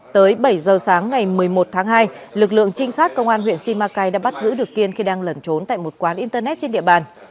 tới bảy giờ sáng ngày một mươi một tháng hai lực lượng trinh sát công an huyện simacai đã bắt giữ được kiên khi đang lẩn trốn tại một quán internet trên địa bàn